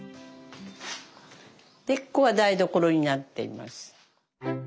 でここが台所になっています。